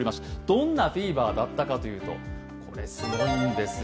どんなフィーバーだったかというと、これ、すごいんですよ。